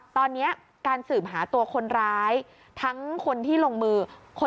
ตอนนี้การสืบหาตัวคนร้ายทั้งคนที่ลงมือ